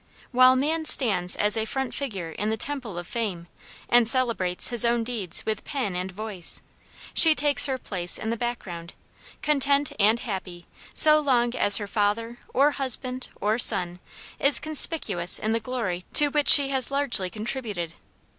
While man stands as a front figure in the temple of fame, and celebrates his own deeds with pen and voice, she takes her place in the background, content and happy so long as her father, or husband, or son, is conspicuous in the glory to which she has largely contributed.